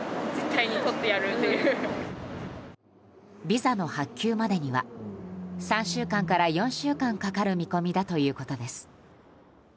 ビザの発給までには３週間から４週間かかる見込みだということです。